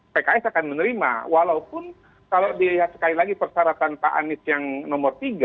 pks akan menerima walaupun kalau dilihat sekali lagi persyaratan pak anies yang nomor tiga